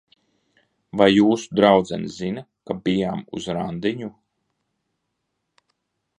Vai jūsu draudzene zina, ka bijām uz randiņu?